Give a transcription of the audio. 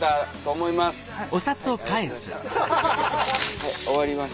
はい終わります。